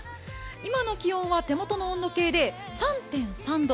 今の気温は手元の温度計で３．３度。